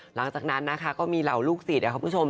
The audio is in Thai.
หลังจากนั้นนะคะก็มีเหล่าลูกศิษย์คุณผู้ชม